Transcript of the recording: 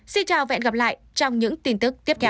xin chào và hẹn gặp lại trong những tin tức tiếp theo